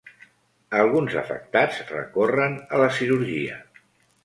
Alguns afectats recorren a la cirurgia.